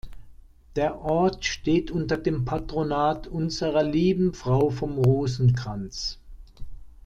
Der Ort steht unter dem Patronat Unserer Lieben Frau vom Rosenkranz.